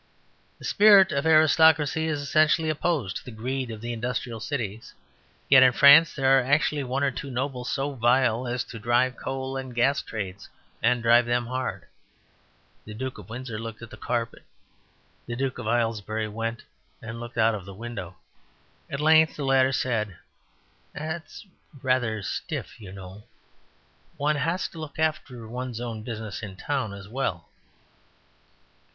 "The spirit of aristocracy is essentially opposed to the greed of the industrial cities. Yet in France there are actually one or two nobles so vile as to drive coal and gas trades, and drive them hard." The Duke of Windsor looked at the carpet. The Duke of Aylesbury went and looked out of the window. At length the latter said: "That's rather stiff, you know. One has to look after one's own business in town as well."